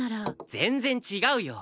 全然違うよ。